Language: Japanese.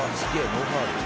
ノーファウル」